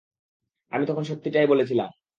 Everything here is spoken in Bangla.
আমি তখন সত্যিটাই বলেছিলাম।